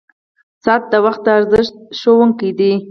• ساعت د وخت د ارزښت ښوونکی دی.